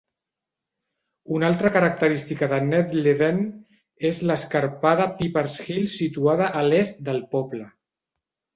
Una altra característica de Nettleden és l'escarpada Pipers Hill situada a l'est del poble.